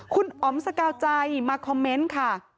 คุณอ๋อมสกาวใจมาคอมเมนต์ค่ะ